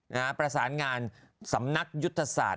ประสานงานสำนักยุทธศาสตร์